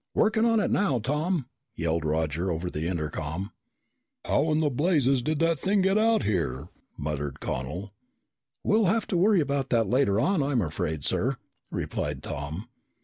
"Working on it now, Tom!" yelled Roger over the intercom. "How in blazes did that thing get out here?" muttered Connel. "We'll have to worry about that later, I'm afraid, sir," replied Tom.